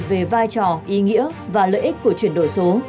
về vai trò ý nghĩa và lợi ích của chuyển đổi số